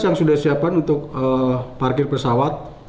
yang sudah disiapkan untuk parkir pesawat